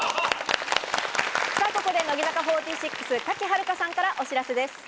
さぁ、ここで乃木坂４６・賀喜遥香さんからお知らせです。